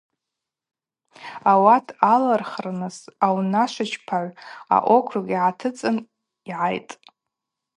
Ауат алырхырныс аунашвачпагӏв аокруг йгӏатыцӏын йгӏайтӏ.